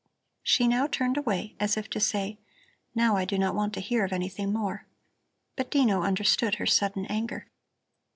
She now turned away, as if to say: Now I do not want to hear of anything more. But Dino understood her sudden anger.